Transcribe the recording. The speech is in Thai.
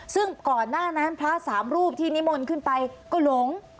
ซึ่งก่อนหน้านั้นพระสามรูปที่นิมนต์ขึ้นไปก็หลง